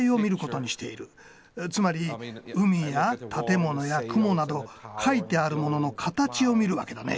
つまり海や建物や雲など描いてあるものの形を見るわけだね。